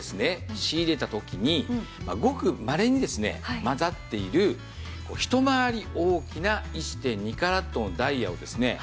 仕入れた時にごくまれにですね混ざっている一回り大きな１．２カラットのダイヤをですね